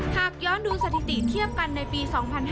หากย้อนดูสถิติเทียบกันในปี๒๕๕๙